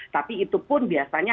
tapi itu pun biasanya